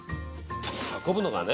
運ぶのがね